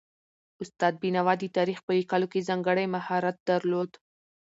استاد بینوا د تاریخ په لیکلو کې ځانګړی مهارت درلود